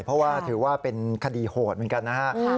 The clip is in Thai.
เพราะว่าถือว่าเป็นคดีโหดเหมือนกันนะฮะ